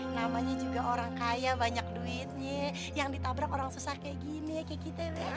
namanya juga orang kaya banyak duitnya yang ditabrak orang susah kayak gini kayak gitu ya